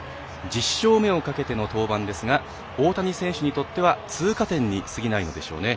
１０勝目をかけての登板ですが大谷選手にとっては通過点に過ぎないのでしょうね。